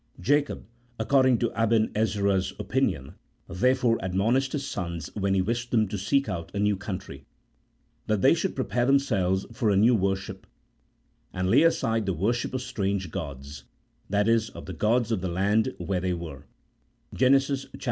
Jacob, according to Aben Ezra's opinion, therefore ad monished his sons when he wished them to seek out a new country, that they should prepare themselves for a new worship, and lay aside the worship of strange gods — that is, of the gods of the land where they were (Gen. xxxv.